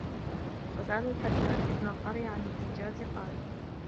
وَسَأَلَ الْحَجَّاجُ ابْنَ الْقَرْيَةِ عَنْ الْإِيجَازِ قَالَ